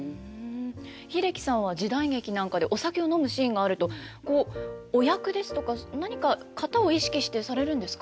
英樹さんは時代劇なんかでお酒を飲むシーンがあるとこうお役ですとか何か型を意識してされるんですか？